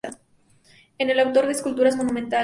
Es el autor de esculturas monumentales.